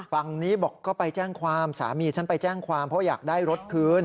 ฟังนี้บอกสามีฉันไปแจ้งความเพราะอยากได้รถคืน